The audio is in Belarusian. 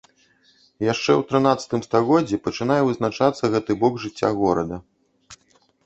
Яшчэ ў трынаццатым стагоддзі пачынае вызначацца гэты бок жыцця горада.